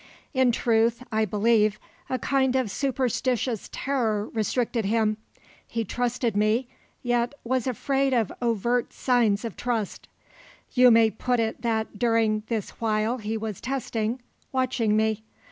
In truth, I believe, a kind of superstitious terror restricted him. He trusted me, yet was afraid of overt signs of trust. You may put it that during this while he was testing, watching me.